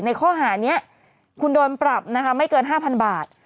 ในข้อหานี้คุณโดนปรับนะคะไม่เกิน๕๐๐บาท